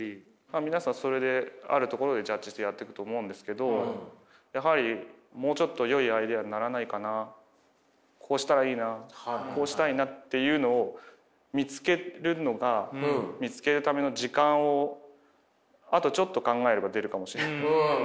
皆さんそれであるところでジャッジしてやってくと思うんですけどやはりもうちょっとよいアイデアにならないかなこうしたらいいなこうしたいなっていうのを見つけるのが見つけるための時間をあとちょっと考えれば出るかもしれない。